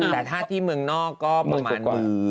แต่ถ้าที่เมืองนอกก็ประมาณหมื่น